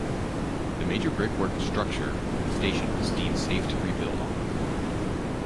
The major brickwork structure of the station was deemed safe to rebuild on.